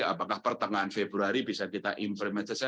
apakah pertengahan februari bisa kita implementasi